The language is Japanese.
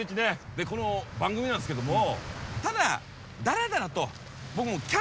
でこの番組なんですけども。